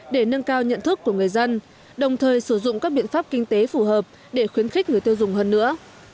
để nâng cao nhận thức của người dân đồng thời sử dụng các biện pháp kinh tế phù hợp để khuyến khích người tiêu dùng hơn nữa